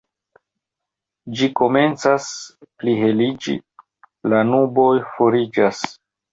Ĝi komencas pliheliĝi, la nuboj foriĝas.